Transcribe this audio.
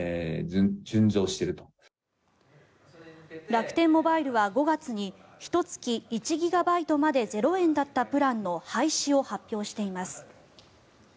楽天モバイルは５月にひと月１ギガバイトまで０円だったプランの廃止を発表しています。